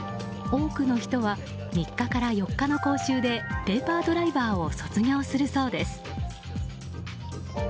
多くの人は３日から４日の講習でペーパードライバーを卒業するそうです。